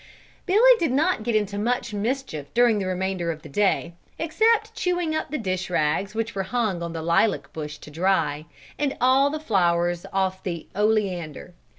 Billy did not get into much mischief during the remainder of the day, except chewing up the dish rags which were hung on the lilac bush to dry, and all the flowers off the oleander.